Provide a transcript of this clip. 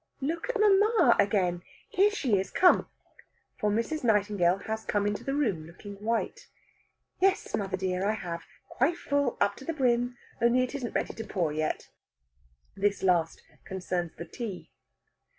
"Look at mamma again! Here she is, come." For Mrs. Nightingale has come into the room, looking white. "Yes, mother dear, I have. Quite full up to the brim. Only it isn't ready to pour yet." This last concerns the tea.